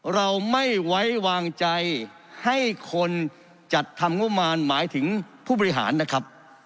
เราไม่ไว้วางใจให้คนจัดทำงบมารหมายถึงผู้บริหารนะครับ